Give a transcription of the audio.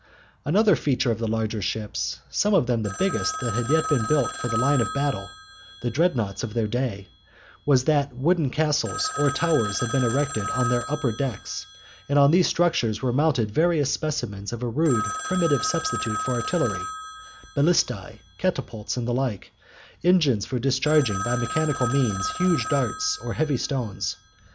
Another feature of the larger ships, some of them the biggest that had yet been built for the line of battle, the "Dreadnoughts" of their day, was that wooden castles or towers had been erected on their upper decks, and on these structures were mounted various specimens of a rude primitive substitute for artillery, ballistæ, catapults, and the like, engines for discharging by mechanical means huge darts or heavy stones.